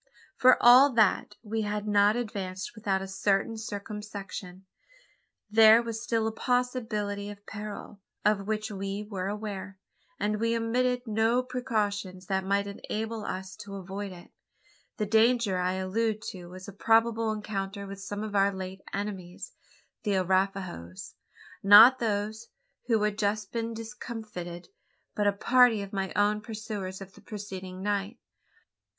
For all that, we had not advanced without a certain circumspection. There was still a possibility of peril, of which we were aware; and we omitted no precautions that might enable us to avoid it. The danger I allude to was a probable encounter with some of our late enemies the Arapahoes. Not those who had just been discomfited; but a party of my own pursuers of the preceding night.